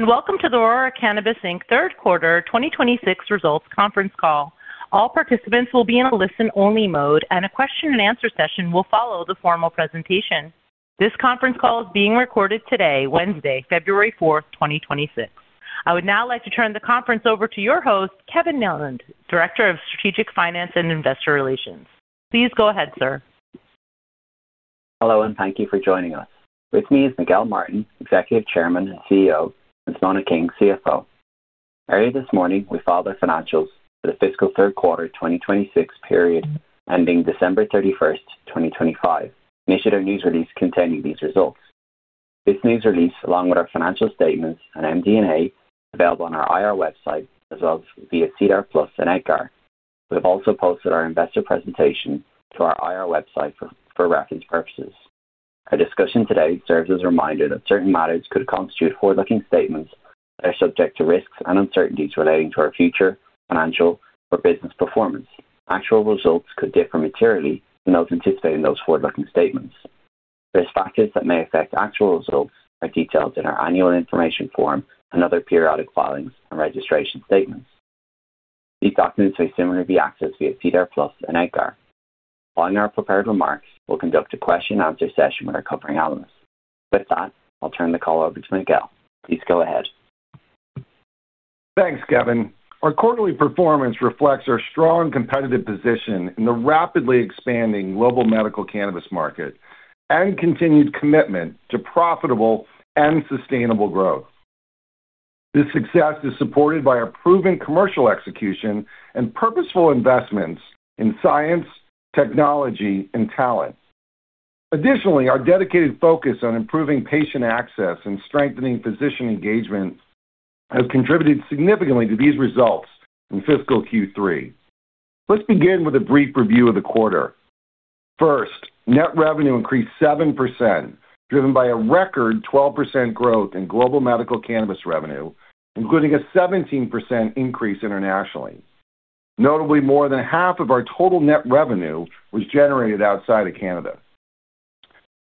Welcome to the Aurora Cannabis Inc. Third Quarter 2026 Results Conference Call. All participants will be in a listen-only mode, and a question-and-answer session will follow the formal presentation. This conference call is being recorded today, Wednesday, February 4, 2026. I would now like to turn the conference over to your host, Kevin Niland, Director of Strategic Finance and Investor Relations. Please go ahead, sir. Hello, and thank you for joining us. With me is Miguel Martin, Executive Chairman and CEO, and Simona King, CFO. Earlier this morning, we filed our financials for the fiscal third quarter 2026 period, ending December 31, 2025, and issued a news release containing these results. This news release, along with our financial statements and MD&A, is available on our IR website, as well as via SEDAR+ and EDGAR. We have also posted our investor presentation to our IR website for reference purposes. Our discussion today serves as a reminder that certain matters could constitute forward-looking statements that are subject to risks and uncertainties relating to our future financial or business performance. Actual results could differ materially from those anticipated those forward-looking statements. Risk factors that may affect actual results are detailed in our annual information form and other periodic filings and registration statements. These documents are similarly accessed via SEDAR+ and EDGAR. Following our prepared remarks, we'll conduct a question-and-answer session with our covering analysts. With that, I'll turn the call over to Miguel. Please go ahead. Thanks, Kevin. Our quarterly performance reflects our strong competitive position in the rapidly expanding global medical cannabis market and continued commitment to profitable and sustainable growth. This success is supported by our proven commercial execution and purposeful investments in science, technology, and talent. Additionally, our dedicated focus on improving patient access and strengthening physician engagement has contributed significantly to these results in fiscal Q3. Let's begin with a brief review of the quarter. First, net revenue increased 7%, driven by a record 12% growth in global medical cannabis revenue, including a 17% increase internationally. Notably, more than half of our total net revenue was generated outside of Canada.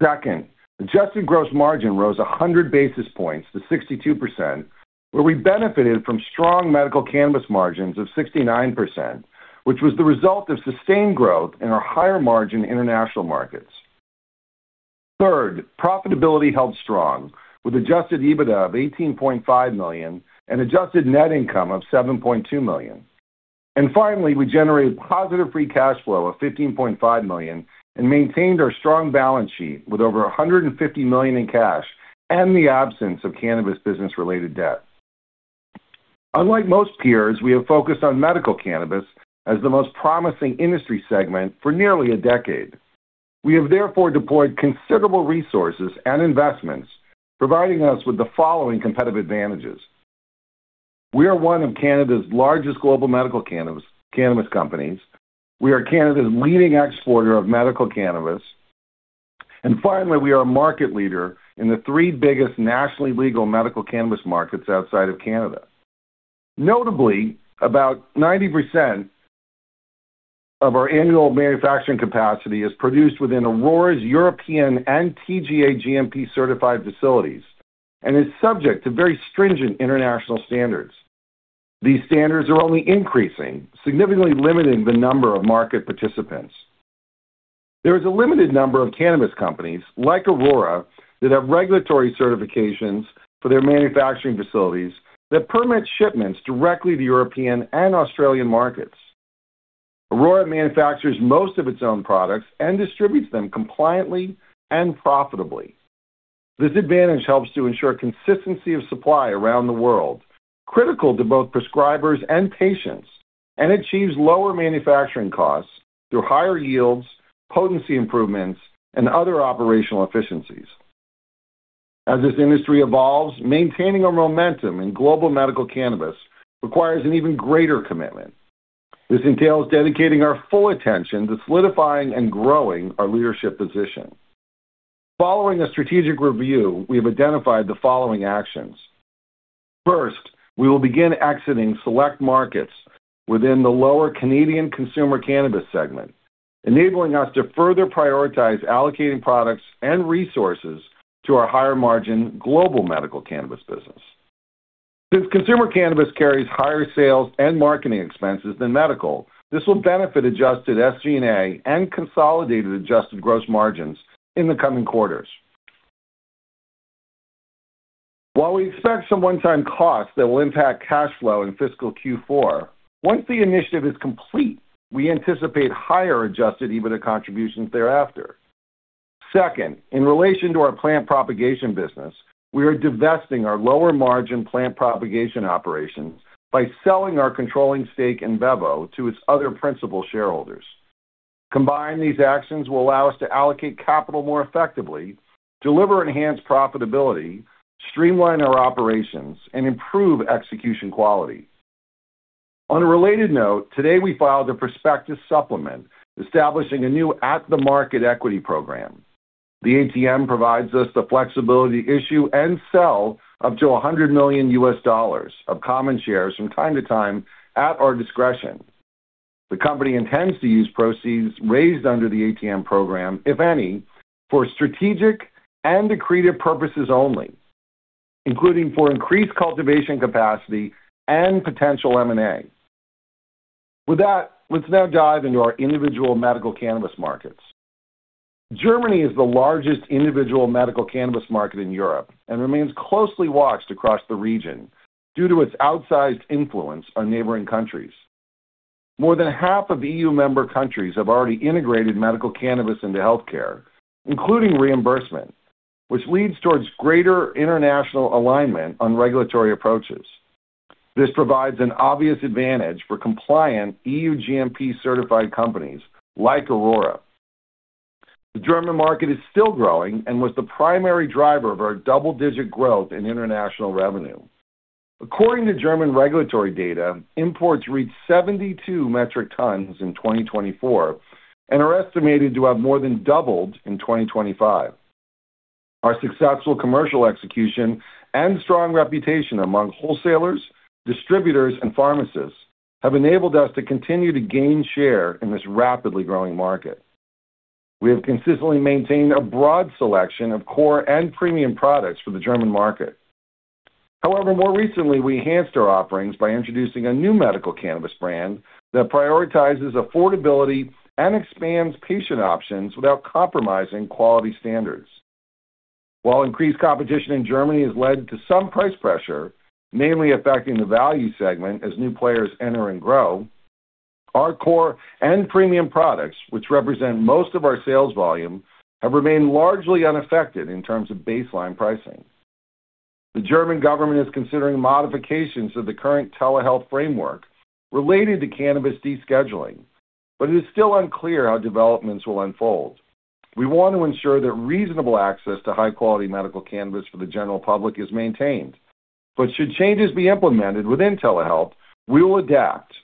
Second, adjusted gross margin rose 100 basis points to 62%, where we benefited from strong medical cannabis margins of 69%, which was the result of sustained growth in our higher-margin international markets. Third, profitability held strong, with adjusted EBITDA of 18.5 million and adjusted net income of 7.2 million. And finally, we generated positive free cash flow of 15.5 million and maintained our strong balance sheet with over 150 million in cash and the absence of cannabis business-related debt. Unlike most peers, we have focused on medical cannabis as the most promising industry segment for nearly a decade. We have therefore deployed considerable resources and investments, providing us with the following competitive advantages. We are one of Canada's largest global medical cannabis, cannabis companies. We are Canada's leading exporter of medical cannabis. And finally, we are a market leader in the three biggest nationally legal medical cannabis markets outside of Canada. Notably, about 90% of our annual manufacturing capacity is produced within Aurora's European and TGA GMP-certified facilities and is subject to very stringent international standards. These standards are only increasing, significantly limiting the number of market participants. There is a limited number of cannabis companies, like Aurora, that have regulatory certifications for their manufacturing facilities that permit shipments directly to European and Australian markets. Aurora manufactures most of its own products and distributes them compliantly and profitably. This advantage helps to ensure consistency of supply around the world, critical to both prescribers and patients, and achieves lower manufacturing costs through higher yields, potency improvements, and other operational efficiencies. As this industry evolves, maintaining our momentum in global medical cannabis requires an even greater commitment. This entails dedicating our full attention to solidifying and growing our leadership position. Following a strategic review, we have identified the following actions. First, we will begin exiting select markets within the lower Canadian consumer cannabis segment, enabling us to further prioritize allocating products and resources to our higher-margin global medical cannabis business. Since consumer cannabis carries higher sales and marketing expenses than medical, this will benefit adjusted SG&A and consolidated adjusted gross margins in the coming quarters. While we expect some one-time costs that will impact cash flow in fiscal Q4, once the initiative is complete, we anticipate higher adjusted EBITDA contributions thereafter. Second, in relation to our plant propagation business, we are divesting our lower-margin plant propagation operations by selling our controlling stake in Bevo to its other principal shareholders. Combined, these actions will allow us to allocate capital more effectively, deliver enhanced profitability, streamline our operations, and improve execution quality. On a related note, today we filed a prospectus supplement establishing a new At-the-Market equity program. The ATM provides us the flexibility to issue and sell up to $100 million of common shares from time to time at our discretion. The company intends to use proceeds raised under the ATM program, if any, for strategic and accretive purposes only, including for increased cultivation capacity and potential M&A. With that, let's now dive into our individual medical cannabis markets. Germany is the largest individual medical cannabis market in Europe and remains closely watched across the region due to its outsized influence on neighboring countries. More than half of EU member countries have already integrated medical cannabis into healthcare, including reimbursement, which leads towards greater international alignment on regulatory approaches. This provides an obvious advantage for compliant EU GMP-certified companies like Aurora. The German market is still growing and was the primary driver of our double-digit growth in international revenue. According to German regulatory data, imports reached 72 metric tons in 2024 and are estimated to have more than doubled in 2025. Our successful commercial execution and strong reputation among wholesalers, distributors, and pharmacists have enabled us to continue to gain share in this rapidly growing market. We have consistently maintained a broad selection of core and premium products for the German market. However, more recently, we enhanced our offerings by introducing a new medical cannabis brand that prioritizes affordability and expands patient options without compromising quality standards. While increased competition in Germany has led to some price pressure, mainly affecting the value segment as new players enter and grow, our core and premium products, which represent most of our sales volume, have remained largely unaffected in terms of baseline pricing. The German government is considering modifications to the current telehealth framework related to cannabis descheduling, but it is still unclear how developments will unfold. We want to ensure that reasonable access to high-quality medical cannabis for the general public is maintained, but should changes be implemented within telehealth, we will adapt,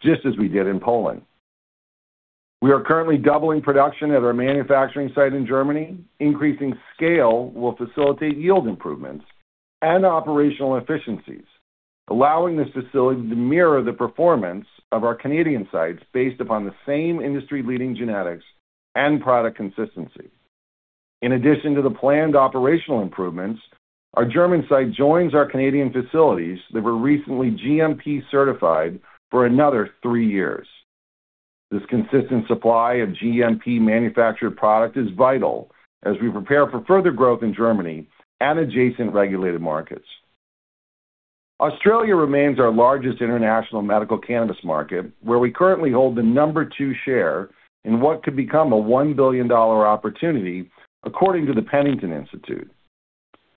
just as we did in Poland. We are currently doubling production at our manufacturing site in Germany. Increasing scale will facilitate yield improvements and operational efficiencies, allowing this facility to mirror the performance of our Canadian sites based upon the same industry-leading genetics and product consistency. In addition to the planned operational improvements, our German site joins our Canadian facilities that were recently GMP certified for another three years. This consistent supply of GMP-manufactured product is vital as we prepare for further growth in Germany and adjacent regulated markets. Australia remains our largest international medical cannabis market, where we currently hold the number two share in what could become a 1 billion dollar opportunity, according to the Penington Institute.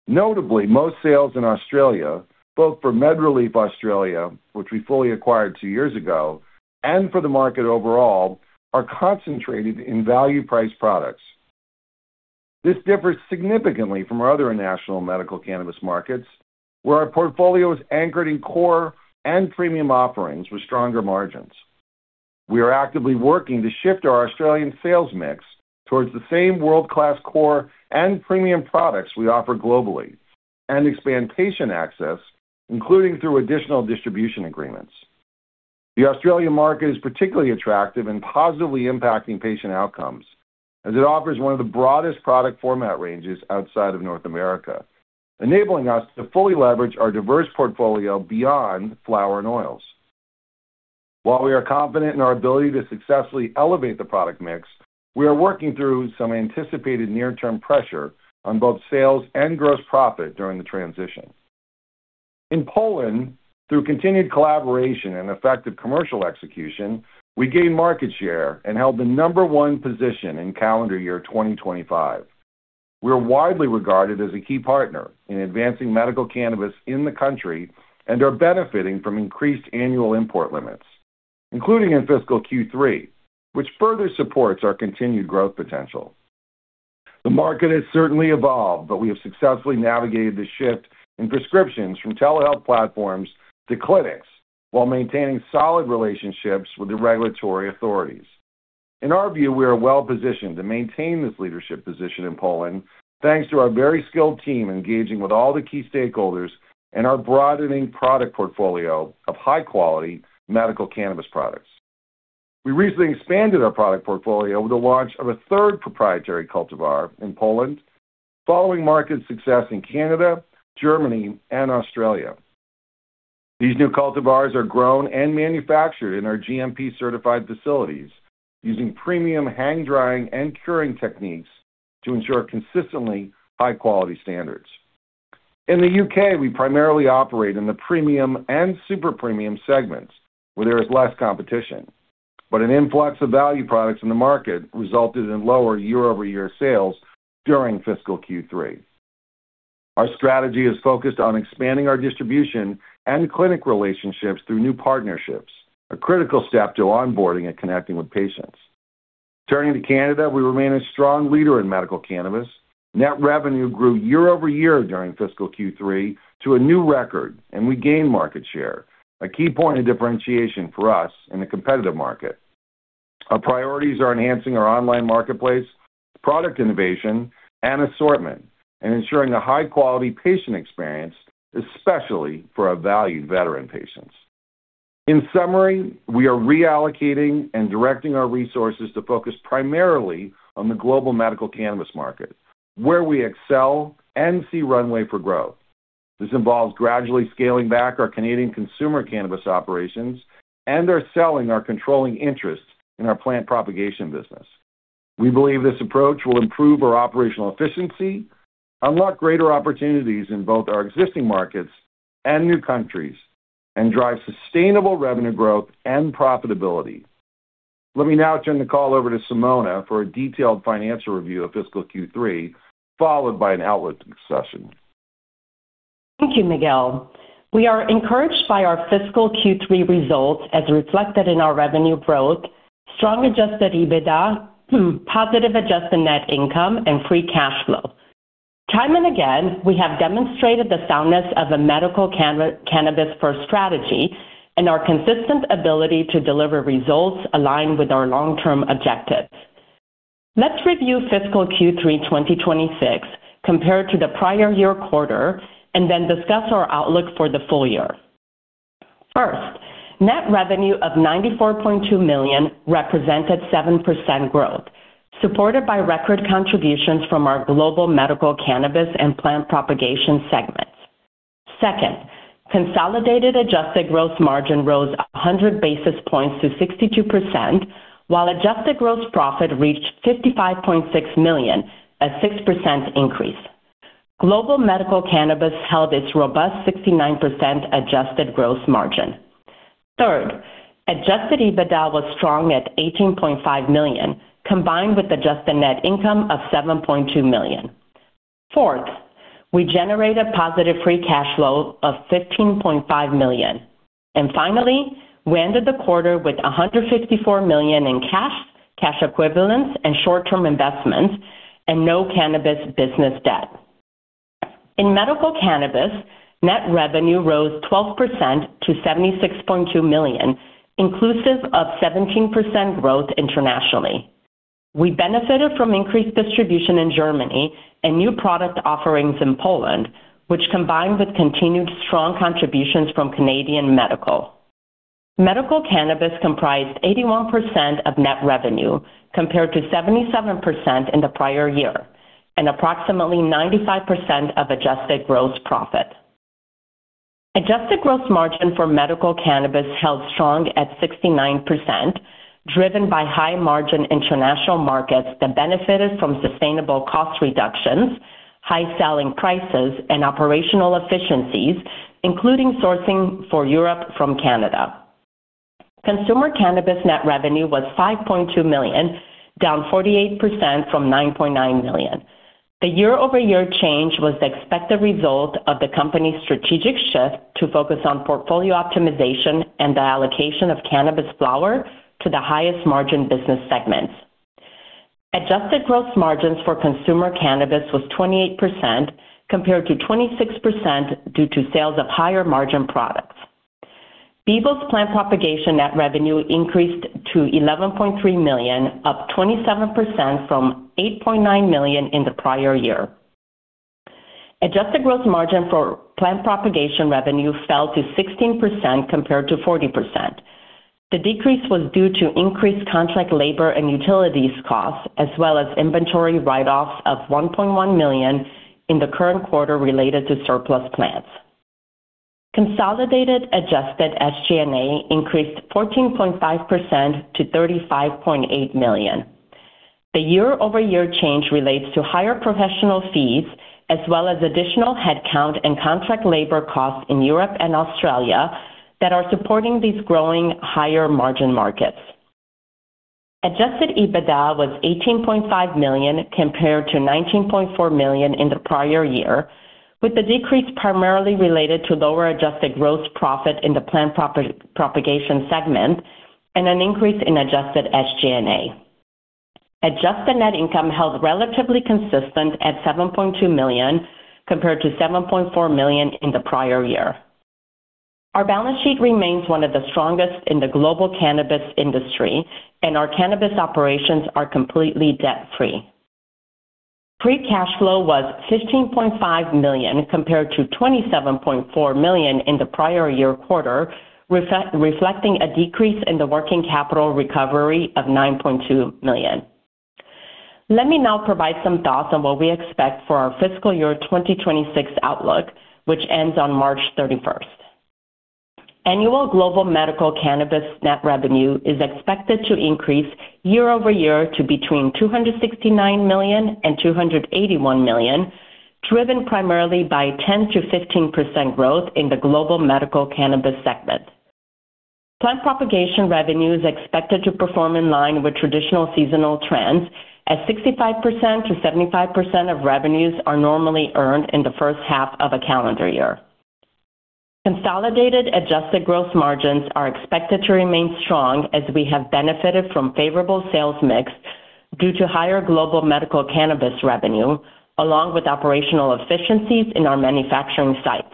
Notably, most sales in Australia, both for MedReleaf Australia, which we fully acquired two years ago, and for the market overall, are concentrated in value price products. This differs significantly from our other international medical cannabis markets, where our portfolio is anchored in core and premium offerings with stronger margins. We are actively working to shift our Australian sales mix towards the same world-class core and premium products we offer globally and expand patient access, including through additional distribution agreements. The Australian market is particularly attractive and positively impacting patient outcomes, as it offers one of the broadest product format ranges outside of North America, enabling us to fully leverage our diverse portfolio beyond flower and oils. While we are confident in our ability to successfully elevate the product mix, we are working through some anticipated near-term pressure on both sales and gross profit during the transition. In Poland, through continued collaboration and effective commercial execution, we gained market share and held the number one position in calendar year 2025. We're widely regarded as a key partner in advancing medical cannabis in the country and are benefiting from increased annual import limits, including in fiscal Q3, which further supports our continued growth potential. The market has certainly evolved, but we have successfully navigated the shift in prescriptions from telehealth platforms to clinics, while maintaining solid relationships with the regulatory authorities. In our view, we are well-positioned to maintain this leadership position in Poland, thanks to our very skilled team engaging with all the key stakeholders and our broadening product portfolio of high-quality medical cannabis products. We recently expanded our product portfolio with the launch of a third proprietary cultivar in Poland, following market success in Canada, Germany, and Australia. These new cultivars are grown and manufactured in our GMP-certified facilities, using premium hang drying and curing techniques to ensure consistently high-quality standards. In the U.K., we primarily operate in the premium and super premium segments, where there is less competition, but an influx of value products in the market resulted in lower year-over-year sales during fiscal Q3. Our strategy is focused on expanding our distribution and clinic relationships through new partnerships, a critical step to onboarding and connecting with patients. Turning to Canada, we remain a strong leader in medical cannabis. Net revenue grew year over year during fiscal Q3 to a new record, and we gained market share, a key point of differentiation for us in a competitive market. Our priorities are enhancing our online marketplace, product innovation, and assortment, and ensuring a high-quality patient experience, especially for our valued veteran patients. In summary, we are reallocating and directing our resources to focus primarily on the global medical cannabis market, where we excel and see runway for growth. This involves gradually scaling back our Canadian consumer cannabis operations and are selling our controlling interests in our plant propagation business. We believe this approach will improve our operational efficiency, unlock greater opportunities in both our existing markets and new countries, and drive sustainable revenue growth and profitability. Let me now turn the call over to Simona for a detailed financial review of fiscal Q3, followed by an outlook discussion. Thank you, Miguel. We are encouraged by our fiscal Q3 results, as reflected in our revenue growth, strong adjusted EBITDA, positive adjusted net income, and free cash flow. Time and again, we have demonstrated the soundness of a medical cannabis-first strategy and our consistent ability to deliver results aligned with our long-term objectives. Let's review fiscal Q3 2026, compared to the prior year quarter, and then discuss our outlook for the full year. First, net revenue of 94.2 million represented 7% growth, supported by record contributions from our global medical cannabis and plant propagation segments. Second, consolidated adjusted gross margin rose 100 basis points to 62%, while adjusted gross profit reached 55.6 million, a 6% increase. Global medical cannabis held its robust 69% adjusted gross margin. Third, adjusted EBITDA was strong at 18.5 million, combined with adjusted net income of 7.2 million. Fourth, we generated positive free cash flow of 15.5 million. Finally, we ended the quarter with 154 million in cash, cash equivalents, and short-term investments, and no cannabis business debt. In medical cannabis, net revenue rose 12% to 76.2 million, inclusive of 17% growth internationally. We benefited from increased distribution in Germany and new product offerings in Poland, which combined with continued strong contributions from Canadian medical. Medical cannabis comprised 81% of net revenue, compared to 77% in the prior year, and approximately 95% of adjusted gross profit. Adjusted Gross Margin for medical cannabis held strong at 69%, driven by high-margin international markets that benefited from sustainable cost reductions, high selling prices, and operational efficiencies, including sourcing for Europe from Canada. Consumer cannabis net revenue was 5.2 million, down 48% from 9.9 million. The year-over-year change was the expected result of the company's strategic shift to focus on portfolio optimization and the allocation of cannabis flower to the highest margin business segments. Adjusted gross margins for consumer cannabis was 28%, compared to 26%, due to sales of higher-margin products. Bevo's plant propagation net revenue increased to 11.3 million, up 27% from 8.9 million in the prior year. Adjusted gross margin for plant propagation revenue fell to 16%, compared to 40%. The decrease was due to increased contract labor and utilities costs, as well as inventory write-offs of 1.1 million in the current quarter related to surplus plants. Consolidated adjusted SG&A increased 14.5% to 35.8 million. The year-over-year change relates to higher professional fees, as well as additional headcount and contract labor costs in Europe and Australia that are supporting these growing higher-margin markets. Adjusted EBITDA was 18.5 million, compared to 19.4 million in the prior year, with the decrease primarily related to lower adjusted gross profit in the plant propagation segment and an increase in adjusted SG&A. Adjusted net income held relatively consistent at 7.2 million, compared to 7.4 million in the prior year. Our balance sheet remains one of the strongest in the global cannabis industry, and our cannabis operations are completely debt-free. Free cash flow was 15.5 million, compared to 27.4 million in the prior year quarter, reflecting a decrease in the working capital recovery of 9.2 million. Let me now provide some thoughts on what we expect for our fiscal year 2026 outlook, which ends on March 31st. Annual global medical cannabis net revenue is expected to increase year-over-year to between 269 million and 281 million, driven primarily by 10%-15% growth in the global medical cannabis segment. Plant propagation revenue is expected to perform in line with traditional seasonal trends, as 65%-75% of revenues are normally earned in the first half of a calendar year. Consolidated adjusted gross margins are expected to remain strong, as we have benefited from favorable sales mix due to higher global medical cannabis revenue, along with operational efficiencies in our manufacturing sites.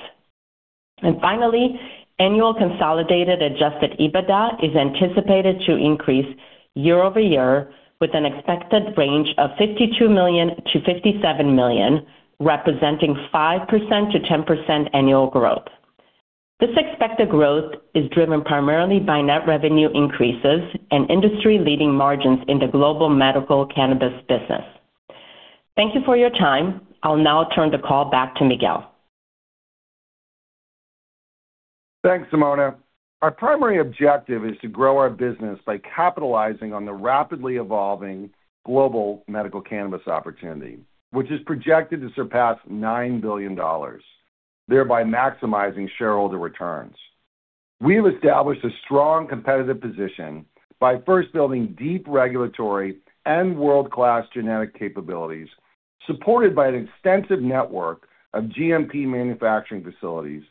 Finally, annual consolidated Adjusted EBITDA is anticipated to increase year-over-year with an expected range of 52 million-57 million, representing 5%-10% annual growth. This expected growth is driven primarily by net revenue increases and industry-leading margins in the global medical cannabis business. Thank you for your time. I'll now turn the call back to Miguel. Thanks, Simona. Our primary objective is to grow our business by capitalizing on the rapidly evolving global medical cannabis opportunity, which is projected to surpass $9 billion, thereby maximizing shareholder returns. We have established a strong competitive position by first building deep regulatory and world-class genetic capabilities, supported by an extensive network of GMP manufacturing facilities,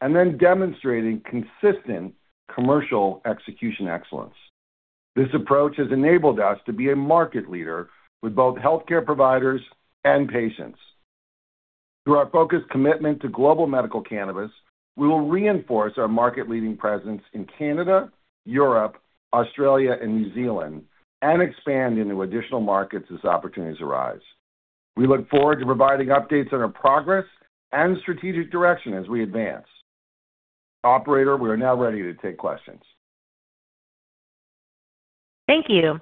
and then demonstrating consistent commercial execution excellence. This approach has enabled us to be a market leader with both healthcare providers and patients. Through our focused commitment to global medical cannabis, we will reinforce our market-leading presence in Canada, Europe, Australia, and New Zealand and expand into additional markets as opportunities arise. We look forward to providing updates on our progress and strategic direction as we advance. Operator, we are now ready to take questions. Thank you.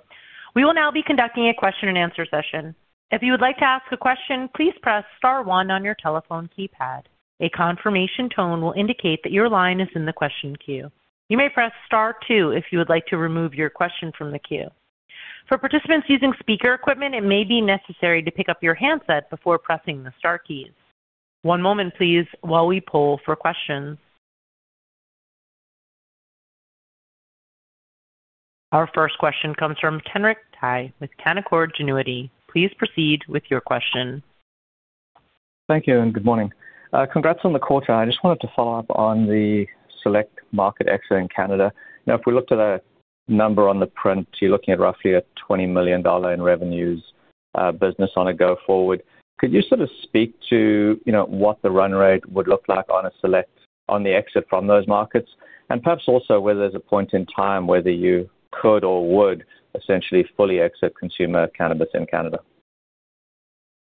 We will now be conducting a question and answer session. If you would like to ask a question, please press star one on your telephone keypad. A confirmation tone will indicate that your line is in the question queue. You may press star two if you would like to remove your question from the queue. For participants using speaker equipment, it may be necessary to pick up your handset before pressing the star keys. One moment, please, while we poll for questions. Our first question comes from Kenric Tyghe with Canaccord Genuity. Please proceed with your question. Thank you, and good morning. Congrats on the quarter. I just wanted to follow up on the select market exit in Canada. Now, if we looked at a number on the print, you're looking at roughly a 20 million dollar in revenues, business on a go forward. Could you sort of speak to, you know, what the run rate would look like on a select on the exit from those markets, and perhaps also whether there's a point in time whether you could or would essentially fully exit consumer cannabis in Canada?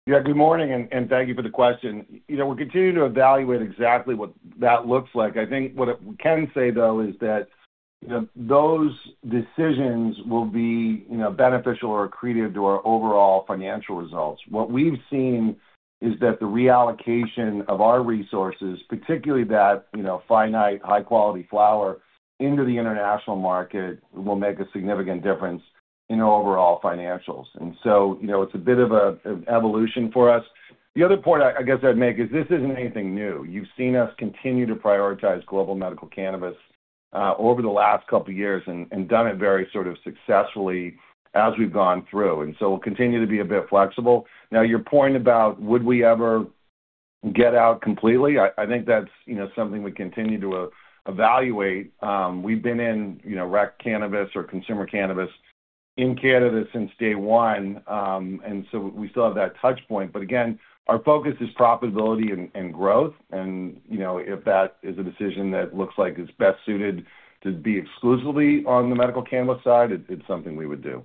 Yeah. Good morning, and thank you for the question. You know, we're continuing to evaluate exactly what that looks like. I think what I can say, though, is that, you know, those decisions will be, you know, beneficial or accretive to our overall financial results. What we've seen is that the reallocation of our resources, particularly that, you know, finite, high-quality flower into the international market, will make a significant difference in our overall financials. And so, you know, it's a bit of an evolution for us. The other point I guess I'd make is this isn't anything new. You've seen us continue to prioritize global medical cannabis over the last couple of years and done it very sort of successfully as we've gone through, and so we'll continue to be a bit flexible. Now, your point about would we ever get out completely, I, I think that's, you know, something we continue to evaluate. We've been in, you know, rec cannabis or consumer cannabis in Canada since day one, and so we still have that touch point. But again, our focus is profitability and, and growth, and, you know, if that is a decision that looks like it's best suited to be exclusively on the medical cannabis side, it, it's something we would do.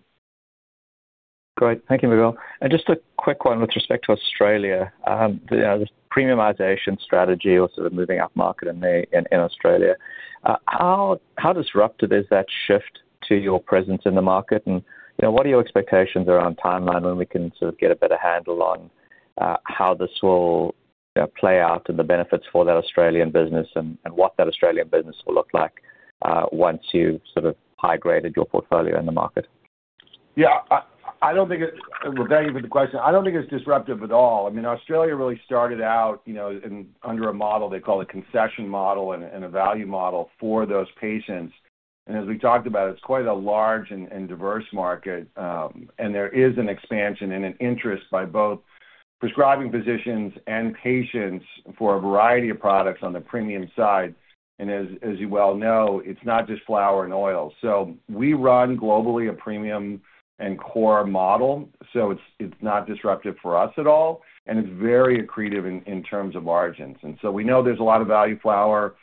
Great. Thank you, Miguel. And just a quick one with respect to Australia. You know, this premiumization strategy or sort of moving upmarket in Australia, how disruptive is that shift to your presence in the market? And, you know, what are your expectations around timeline when we can sort of get a better handle on how this will, you know, play out and the benefits for that Australian business and what that Australian business will look like once you've sort of high-graded your portfolio in the market? Yeah, I don't think it... Well, thank you for the question. I don't think it's disruptive at all. I mean, Australia really started out, you know, in under a model they call a concession model and a value model for those patients. And as we talked about, it's quite a large and diverse market, and there is an expansion and an interest by both prescribing physicians and patients for a variety of products on the premium side. And as you well know, it's not just flower and oil. So we run globally a premium and core model, so it's not disruptive for us at all, and it's very accretive in terms of margins. And so we know there's a lot of value flower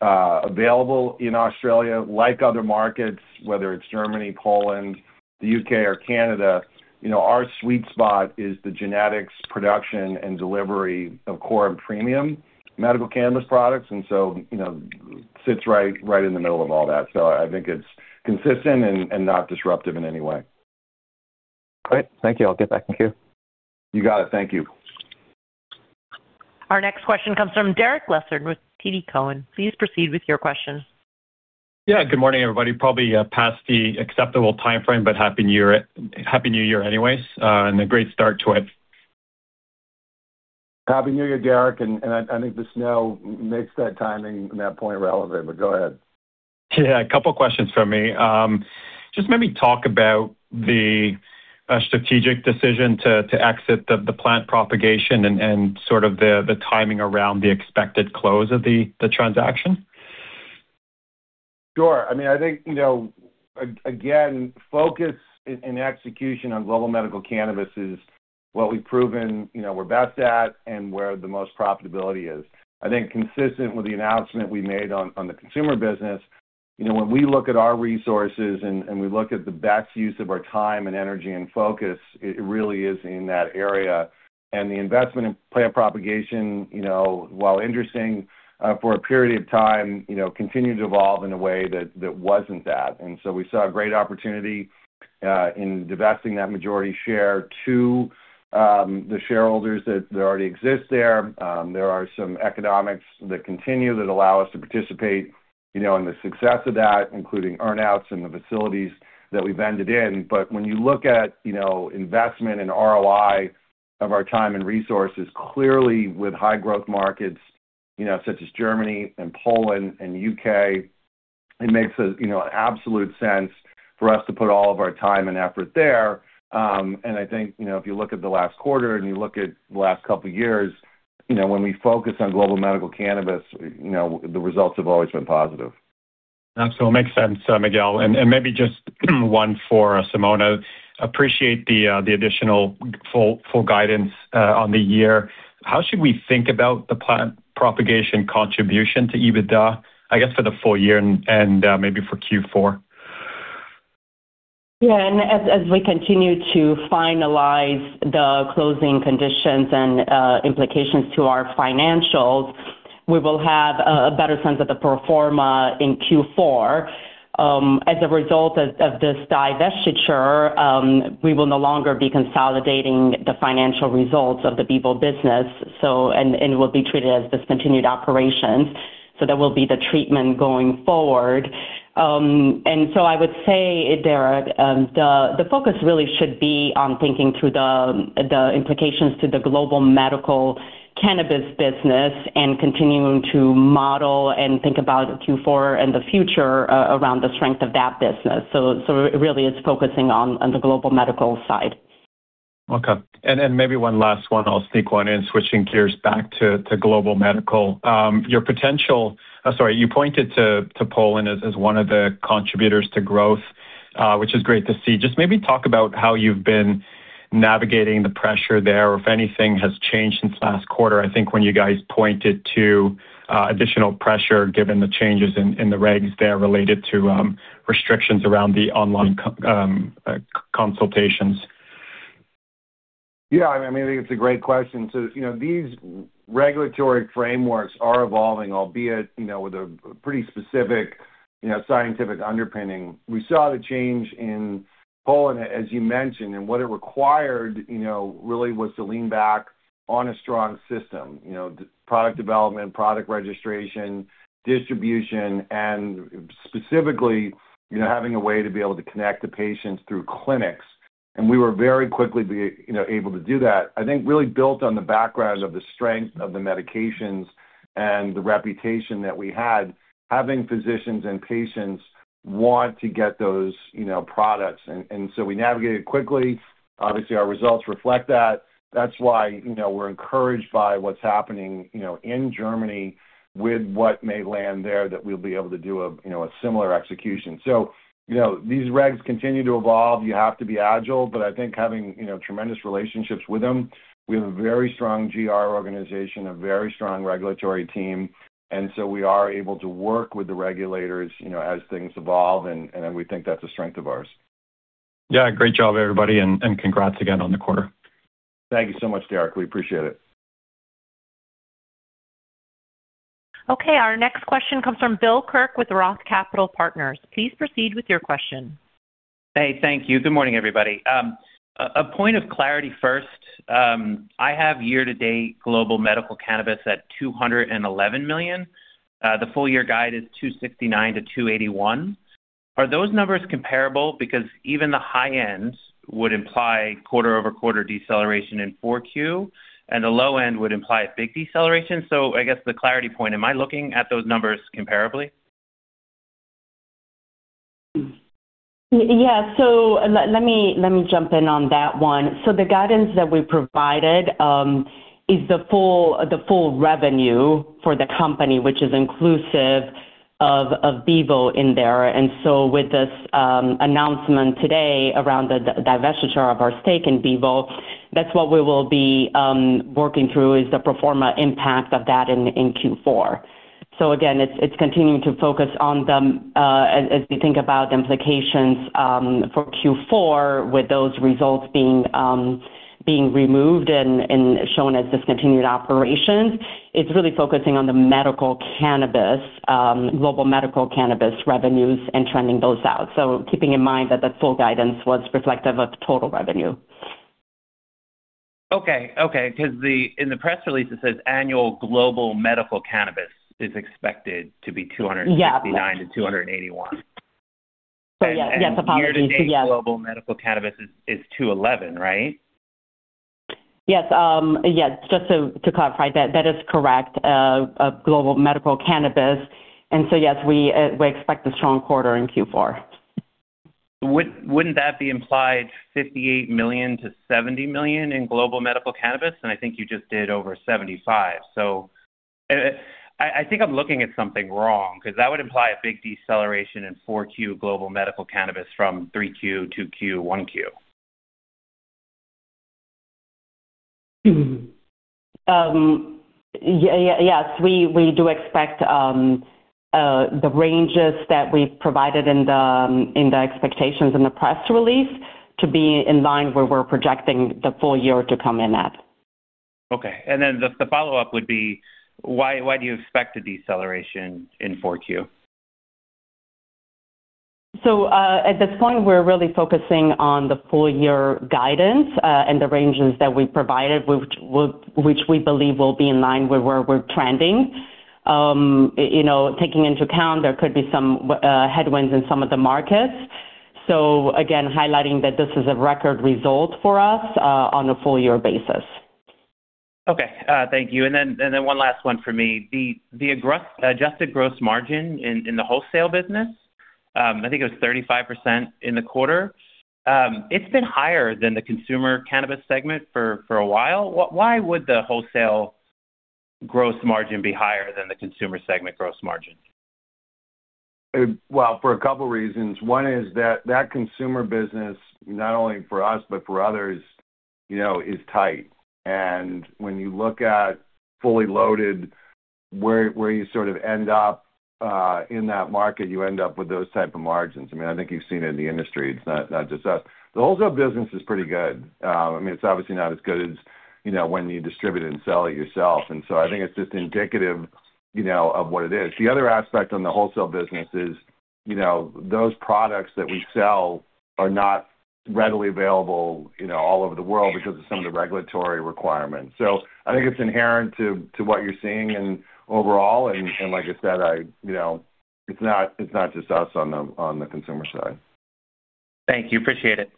available in Australia, like other markets, whether it's Germany, Poland, the U.K., or Canada. You know, our sweet spot is the genetics, production, and delivery of core and premium medical cannabis products, and so, you know, sits right in the middle of all that. So I think it's consistent and not disruptive in any way. Great. Thank you. I'll get back in queue. You got it. Thank you. Our next question comes from Derek Lessard with TD Cowen. Please proceed with your question. Yeah. Good morning, everybody. Probably past the acceptable timeframe, but Happy New Year anyways, and a great start to it. Happy New Year, Derek. I think the snow makes that timing and that point relevant, but go ahead. Yeah, a couple questions for me. Just maybe talk about the strategic decision to exit the plant propagation and sort of the timing around the expected close of the transaction.... Sure. I mean, I think, you know, again, focus and execution on global medical cannabis is what we've proven, you know, we're best at and where the most profitability is. I think consistent with the announcement we made on the consumer business, you know, when we look at our resources and we look at the best use of our time and energy and focus, it really is in that area. And the investment in plant propagation, you know, while interesting for a period of time, you know, continued to evolve in a way that wasn't that. And so we saw a great opportunity in divesting that majority share to the shareholders that already exist there. There are some economics that continue that allow us to participate, you know, in the success of that, including earn-outs and the facilities that we vended in. But when you look at, you know, investment and ROI of our time and resources, clearly with high growth markets, you know, such as Germany and Poland and UK, it makes a, you know, absolute sense for us to put all of our time and effort there. And I think, you know, if you look at the last quarter and you look at the last couple of years, you know, when we focus on global medical cannabis, you know, the results have always been positive. Absolutely, makes sense, Miguel. And maybe just one for Simona. Appreciate the additional full guidance on the year. How should we think about the plant propagation contribution to EBITDA, I guess, for the full year and maybe for Q4? Yeah, and as we continue to finalize the closing conditions and implications to our financials, we will have a better sense of the pro forma in Q4. As a result of this divestiture, we will no longer be consolidating the financial results of the Bevo business, and will be treated as discontinued operations. So that will be the treatment going forward. And so I would say, Derek, the focus really should be on thinking through the implications to the global medical cannabis business and continuing to model and think about Q4 and the future around the strength of that business. So really, it's focusing on the global medical side. Okay. And maybe one last one, I'll sneak one in, switching gears back to global medical. Sorry, you pointed to Poland as one of the contributors to growth, which is great to see. Just maybe talk about how you've been navigating the pressure there, or if anything has changed since last quarter. I think when you guys pointed to additional pressure, given the changes in the regs there related to restrictions around the online consultations. Yeah, I mean, I think it's a great question. So, you know, these regulatory frameworks are evolving, albeit, you know, with a pretty specific, you know, scientific underpinning. We saw the change in Poland, as you mentioned, and what it required, you know, really was to lean back on a strong system. You know, product development, product registration, distribution, and specifically, you know, having a way to be able to connect the patients through clinics. And we were very quickly, you know, able to do that. I think, really built on the background of the strength of the medications and the reputation that we had, having physicians and patients want to get those, you know, products. And so we navigated quickly. Obviously, our results reflect that. That's why, you know, we're encouraged by what's happening, you know, in Germany with what may land there, that we'll be able to do a, you know, a similar execution. So, you know, these regs continue to evolve, you have to be agile, but I think having, you know, tremendous relationships with them, we have a very strong GR organization, a very strong regulatory team, and so we are able to work with the regulators, you know, as things evolve, and, and we think that's a strength of ours. Yeah, great job, everybody, and congrats again on the quarter. Thank you so much, Derek. We appreciate it. Okay, our next question comes from Bill Kirk with ROTH Capital Partners. Please proceed with your question. Hey, thank you. Good morning, everybody. A point of clarity first. I have year-to-date global medical cannabis at 211 million. The full year guide is 269 million-281 million. Are those numbers comparable? Because even the high end would imply quarter-over-quarter deceleration in 4Q, and the low end would imply a big deceleration. So I guess the clarity point, am I looking at those numbers comparably? Yeah, so let me, let me jump in on that one. So the guidance that we provided is the full, the full revenue for the company, which is inclusive of, of Bevo in there. And so with this announcement today around the divestiture of our stake in Bevo, that's what we will be working through, is the pro forma impact of that in Q4. So again, it's continuing to focus on them as we think about the implications for Q4, with those results being removed and shown as discontinued operations, it's really focusing on the medical cannabis global medical cannabis revenues and trending those out. So keeping in mind that the full guidance was reflective of the total revenue. Okay. Okay, because, in the press release, it says annual global medical cannabis is expected to be 269- Yeah - to 281. Yes, yes, apologies. Yes. Year-to-date, global medical cannabis is 211, right? Yes, yes, just to clarify that is correct. Global medical cannabis. And so, yes, we expect a strong quarter in Q4.... Wouldn't that be implied 58 million-70 million in global medical cannabis? And I think you just did over 75 million. So, I think I'm looking at something wrong, 'cause that would imply a big deceleration in 4Q global medical cannabis from 3Q, 2Q, 1Q. Yeah, yeah, yes, we, we do expect the ranges that we've provided in the, in the expectations in the press release to be in line where we're projecting the full year to come in at. Okay. Then the follow-up would be, why do you expect a deceleration in 4Q? So, at this point, we're really focusing on the full year guidance, and the ranges that we provided, which we believe will be in line with where we're trending. You know, taking into account there could be some headwinds in some of the markets. So again, highlighting that this is a record result for us, on a full year basis. Okay, thank you. And then one last one for me. The Adjusted Gross Margin in the wholesale business, I think it was 35% in the quarter. It's been higher than the consumer cannabis segment for a while. Why would the wholesale gross margin be higher than the consumer segment gross margin? Well, for a couple reasons. One is that that consumer business, not only for us, but for others, you know, is tight. And when you look at fully loaded, where, where you sort of end up in that market, you end up with those type of margins. I mean, I think you've seen it in the industry. It's not, not just us. The wholesale business is pretty good. I mean, it's obviously not as good as, you know, when you distribute and sell it yourself. And so I think it's just indicative, you know, of what it is. The other aspect on the wholesale business is, you know, those products that we sell are not readily available, you know, all over the world because of some of the regulatory requirements. So I think it's inherent to, to what you're seeing in overall. Like I said, you know, it's not just us on the consumer side. Thank you. Appreciate it.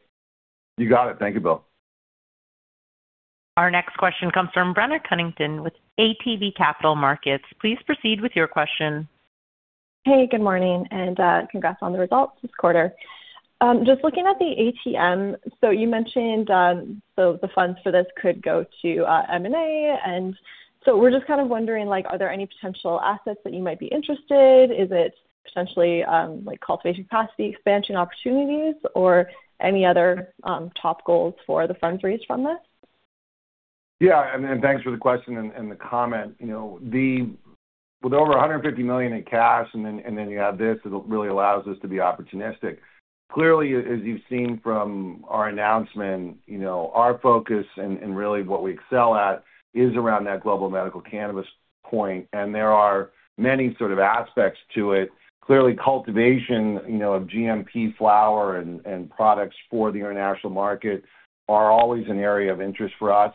You got it. Thank you, Bill. Our next question comes from Brenna Cunnington with ATB Capital Markets. Please proceed with your question. Hey, good morning, and congrats on the results this quarter. Just looking at the ATM, so you mentioned, so the funds for this could go to M&A. And so we're just kind of wondering, like, are there any potential assets that you might be interested? Is it potentially, like, cultivation capacity, expansion opportunities, or any other top goals for the funds raised from this? Yeah, and thanks for the question and the comment. You know, with over $150 million in cash, and then you add this, it really allows us to be opportunistic. Clearly, as you've seen from our announcement, you know, our focus and really what we excel at is around that global medical cannabis point, and there are many sort of aspects to it. Clearly, cultivation, you know, of GMP flower and products for the international market are always an area of interest for us.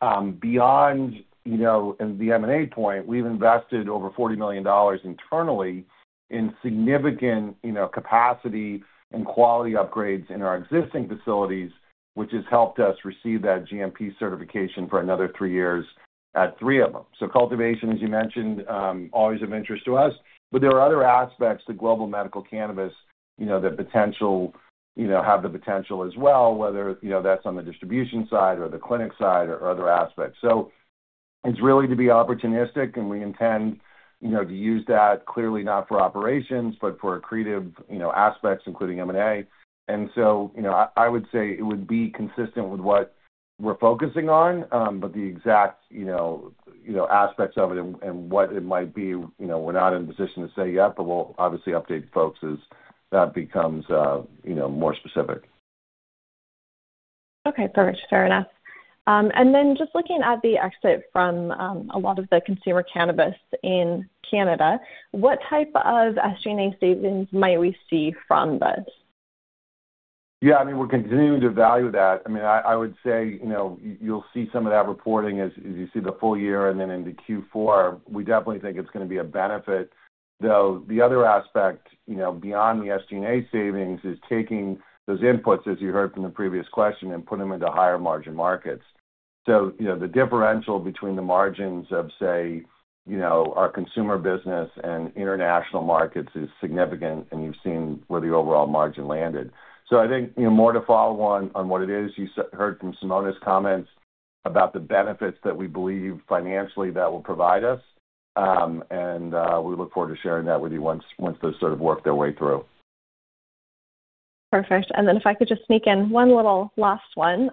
Beyond, you know, and the M&A point, we've invested over $40 million internally in significant, you know, capacity and quality upgrades in our existing facilities, which has helped us receive that GMP certification for another three years at three of them. So cultivation, as you mentioned, always of interest to us, but there are other aspects to global medical cannabis, you know, that potential, you know, have the potential as well, whether, you know, that's on the distribution side or the clinic side or other aspects. So it's really to be opportunistic, and we intend, you know, to use that clearly not for operations, but for accretive, you know, aspects, including M&A. And so, you know, I would say it would be consistent with what we're focusing on, but the exact, you know, you know, aspects of it and, and what it might be, you know, we're not in a position to say yet, but we'll obviously update folks as that becomes, you know, more specific. Okay, perfect. Fair enough. And then just looking at the exit from a lot of the consumer cannabis in Canada, what type of SG&A savings might we see from this? Yeah, I mean, we're continuing to value that. I mean, I would say, you know, you'll see some of that reporting as you see the full year and then into Q4. We definitely think it's gonna be a benefit, though the other aspect, you know, beyond the SG&A savings is taking those inputs, as you heard from the previous question, and putting them into higher margin markets. So, you know, the differential between the margins of, say, you know, our consumer business and international markets is significant, and you've seen where the overall margin landed. So I think, you know, more to follow on what it is. You heard from Simona's comments about the benefits that we believe financially that will provide us. We look forward to sharing that with you once those sort of work their way through. Perfect. And then if I could just sneak in one little last one.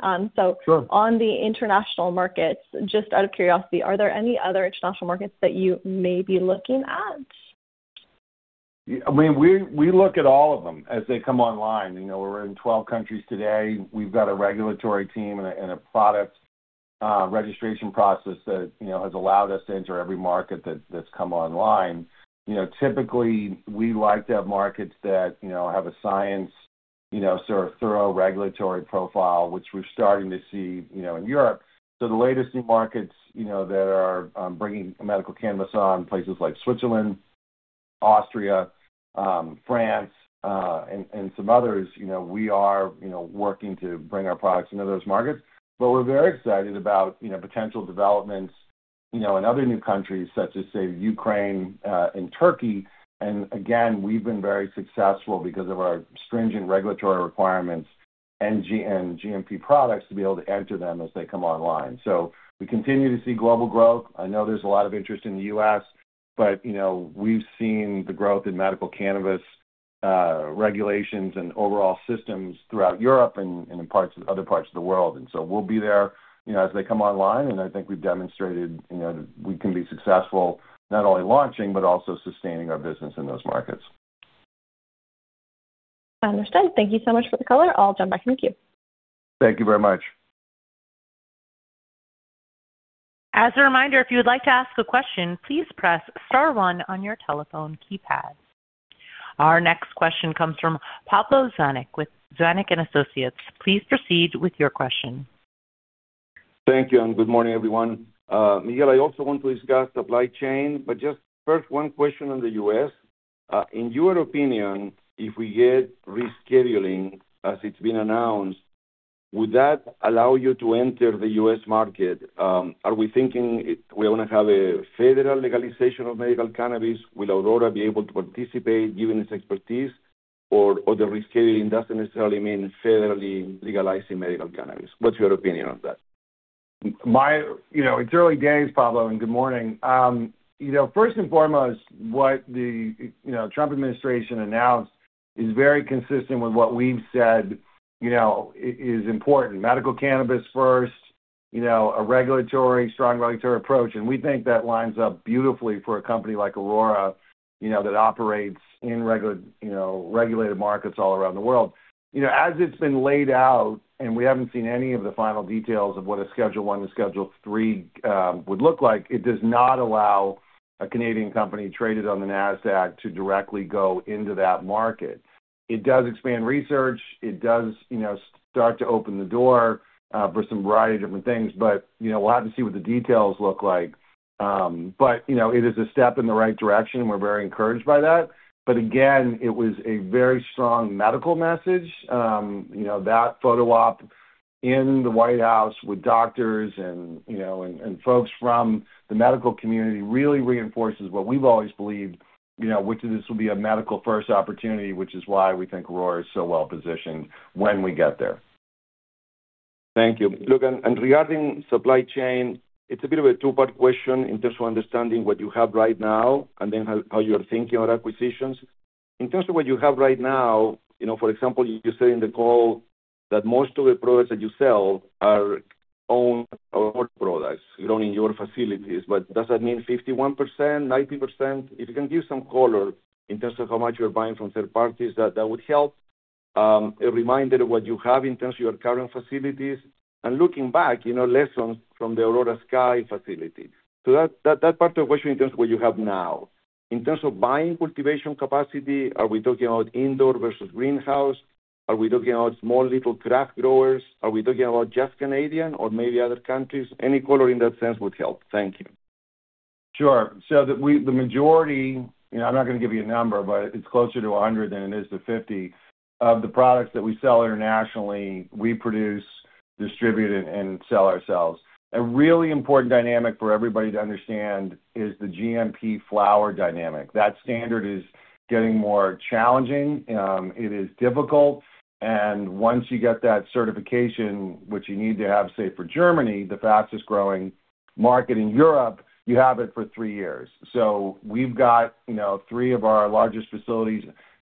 Sure. On the international markets, just out of curiosity, are there any other international markets that you may be looking at? I mean, we look at all of them as they come online. You know, we're in 12 countries today. We've got a regulatory team and a product registration process that, you know, has allowed us to enter every market that's come online. You know, typically, we like to have markets that, you know, have a science, you know, sort of thorough regulatory profile, which we're starting to see, you know, in Europe. So the latest new markets, you know, that are bringing medical cannabis on, places like Switzerland, Austria, France, and some others, you know, we are working to bring our products into those markets. But we're very excited about, you know, potential developments, you know, in other new countries, such as, say, Ukraine and Turkey. Again, we've been very successful because of our stringent regulatory requirements and EU GMP products to be able to enter them as they come online. We continue to see global growth. I know there's a lot of interest in the U.S., but, you know, we've seen the growth in medical cannabis regulations and overall systems throughout Europe and, and in parts, other parts of the world. And so we'll be there, you know, as they come online, and I think we've demonstrated, you know, we can be successful not only launching but also sustaining our business in those markets. Understood. Thank you so much for the color. I'll jump back in the queue. Thank you very much. As a reminder, if you would like to ask a question, please press star one on your telephone keypad. Our next question comes from Pablo Zuanic with Zuanic & Associates. Please proceed with your question. Thank you, and good morning, everyone. Miguel, I also want to discuss supply chain, but just first, one question on the U.S. In your opinion, if we get rescheduling, as it's been announced, would that allow you to enter the U.S. market? Are we thinking it, we're gonna have a federal legalization of medical cannabis? Will Aurora be able to participate given its expertise, or, or the rescheduling doesn't necessarily mean federally legalizing medical cannabis? What's your opinion on that? You know, it's early days, Pablo, and good morning. You know, first and foremost, what the Trump administration announced is very consistent with what we've said, you know, is important. Medical cannabis first, you know, a regulatory, strong regulatory approach, and we think that lines up beautifully for a company like Aurora, you know, that operates in, you know, regulated markets all around the world. You know, as it's been laid out, and we haven't seen any of the final details of what a Schedule I to Schedule III would look like. It does not allow a Canadian company traded on the NASDAQ to directly go into that market. It does expand research. It does, you know, start to open the door for some variety of different things, but, you know, we'll have to see what the details look like. But, you know, it is a step in the right direction, and we're very encouraged by that. But again, it was a very strong medical message. You know, that photo op in the White House with doctors and, you know, folks from the medical community really reinforces what we've always believed, you know, which is this will be a medical-first opportunity, which is why we think Aurora is so well positioned when we get there. Thank you. Look, regarding supply chain, it's a bit of a two-part question in terms of understanding what you have right now and then how you're thinking about acquisitions. In terms of what you have right now, you know, for example, you say in the call that most of the products that you sell are owned Aurora products, grown in your facilities, but does that mean 51%, 90%? If you can give some color in terms of how much you're buying from third parties, that would help. A reminder of what you have in terms of your current facilities, and looking back, you know, lessons from the Aurora Sky facility. So that part of the question in terms of what you have now. In terms of buying cultivation capacity, are we talking about indoor versus greenhouse? Are we talking about small, little craft growers? Are we talking about just Canadian or maybe other countries? Any color in that sense would help. Thank you. Sure. So we, the majority, you know, I'm not gonna give you a number, but it's closer to 100 than it is to 50, of the products that we sell internationally, we produce, distribute, and sell ourselves. A really important dynamic for everybody to understand is the GMP flower dynamic. That standard is getting more challenging. It is difficult, and once you get that certification, which you need to have, say, for Germany, the fastest-growing market in Europe, you have it for three years. So we've got, you know, three of our largest facilities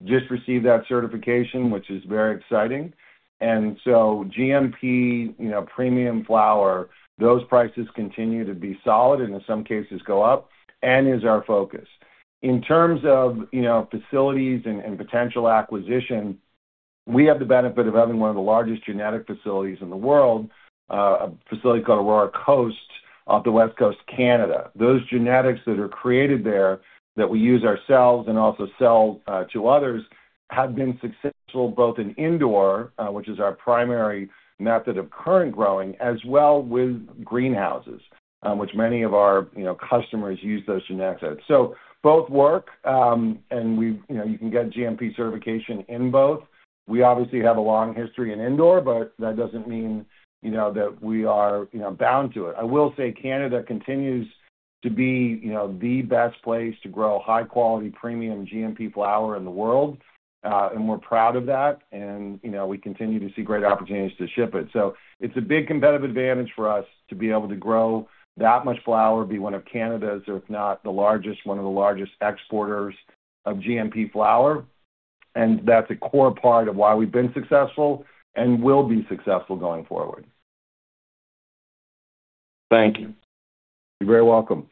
just received that certification, which is very exciting. And so GMP, you know, premium flower, those prices continue to be solid and in some cases go up and is our focus. In terms of, you know, facilities and, and potential acquisition, we have the benefit of having one of the largest genetic facilities in the world, a facility called Aurora Coast off the West Coast, Canada. Those genetics that are created there, that we use ourselves and also sell to others, have been successful both in indoor, which is our primary method of current growing, as well with greenhouses, which many of our, you know, customers use those genetics. So both work, and we, you know, you can get GMP certification in both. We obviously have a long history in indoor, but that doesn't mean, you know, that we are, you know, bound to it. I will say Canada continues to be, you know, the best place to grow high-quality, premium GMP flower in the world, and we're proud of that, and, you know, we continue to see great opportunities to ship it. So it's a big competitive advantage for us to be able to grow that much flower, be one of Canada's, or if not the largest, one of the largest exporters of GMP flower, and that's a core part of why we've been successful and will be successful going forward. Thank you. You're very welcome.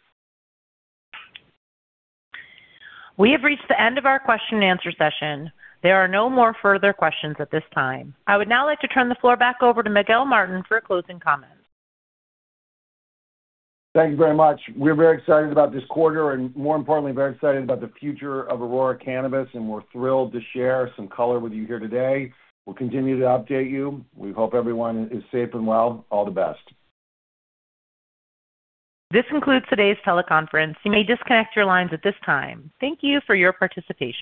We have reached the end of our question and answer session. There are no more further questions at this time. I would now like to turn the floor back over to Miguel Martin for a closing comment. Thank you very much. We're very excited about this quarter and, more importantly, very excited about the future of Aurora Cannabis, and we're thrilled to share some color with you here today. We'll continue to update you. We hope everyone is safe and well. All the best. This concludes today's teleconference. You may disconnect your lines at this time. Thank you for your participation.